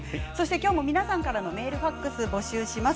今日も皆さんからのメール、ファックスを募集します。